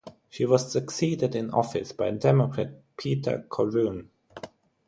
She was succeeded in office by Democrat Peter Corroon.